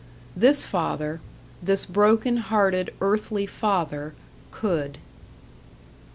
This father this broken hearted earthly father could.